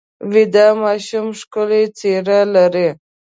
ویده ماشوم ښکلې څېره لري